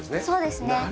そうですね。